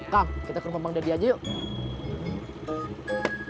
kang kita ke rumah bang deddy aja yuk